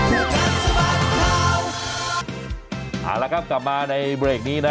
เอาละครับกลับมาในเบรกนี้นะ